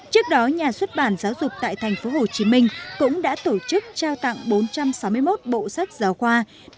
trước đó nhà xuất bản giáo dục tại tp hcm cũng đã tổ chức trao tặng bốn trăm sáu mươi một bộ sách giáo khoa